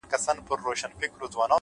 پرمختګ له ننني اقدام راټوکېږي،